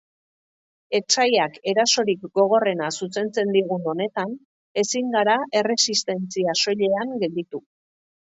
Etsaiak erasorik gogorrena zuzentzen digun honetan ezin gara erresistentzia soilean gelditu.